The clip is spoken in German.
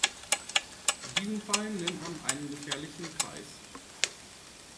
Diesen Fall nennt man einen "gefährlichen Kreis".